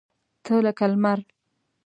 تۀ لکه لمر !